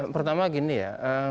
pertama gini ya